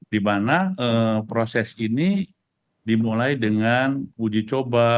dimana proses ini dimulai dengan uji coba